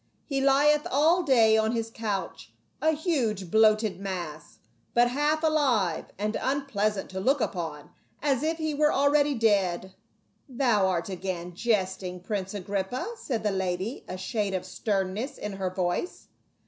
He lieth all day on his couch, a huge bloated mass, but half alive, and un pleasant to look upon as if he were already dead." "Thou art again jesting, prince Agrippa," said the lady, a shade of sternness in her voice.